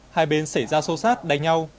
hai bên xảy ra sâu sát đánh nhau